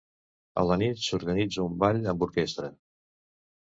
A la nit s'organitza un ball amb orquestra.